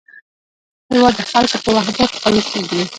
هېواد د خلکو په وحدت قوي کېږي.